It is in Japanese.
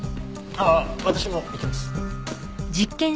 あっ私も行きます。